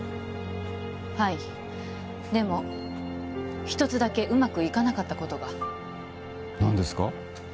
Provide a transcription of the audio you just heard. はいでも一つだけうまくいかなかったことが何ですか？